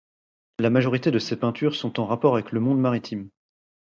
La majorité de ses peintures sont en rapport avec le monde maritime.